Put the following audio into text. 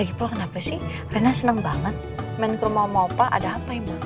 lagipula kenapa sih rena seneng banget main ke rumah oma opa ada apa emang